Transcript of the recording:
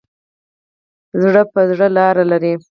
زړه په زړه لار لري.